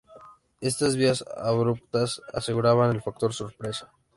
Estas vías abruptas aseguraban el factor sorpresa.